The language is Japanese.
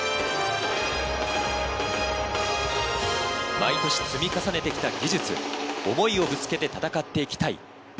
毎年積み重ねて来た技術思いをぶつけて戦って行きたい